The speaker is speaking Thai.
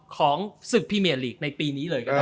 ของศึกพรีเมียลีกในปีนี้เลยก็ได้